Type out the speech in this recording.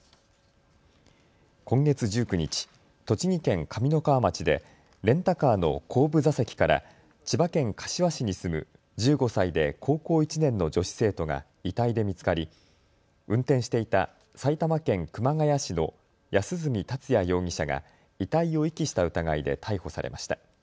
今月１９日、栃木県上三川町でレンタカーの後部座席から千葉県柏市に住む１５歳で高校１年の女子生徒が遺体で見つかり運転していた埼玉県熊谷市の安栖達也容疑者が遺体を遺棄した疑いで逮捕されました。